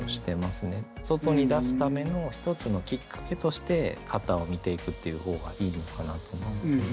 外に出すための一つのきっかけとして型を見ていくっていう方がいいのかなと思いますね。